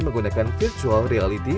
menggunakan virtual reality